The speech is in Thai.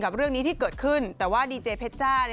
เรื่องนี้ที่เกิดขึ้นแต่ว่าดีเจเพชจ้า